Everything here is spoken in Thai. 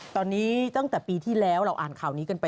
ตอนนี้ตั้งแต่ปีที่แล้วเราอ่านข่าวนี้กันไป